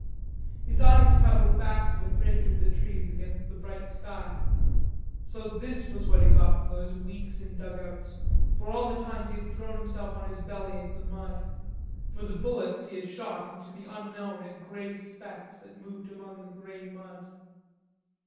His eyes travelled back to the fringe of the trees against the bright sky. So this was what he got for those weeks in dugouts, for all the times he had thrown himself on his belly in the mud, for the bullets he had shot into the unknown at grey specks that moved among the grey mud.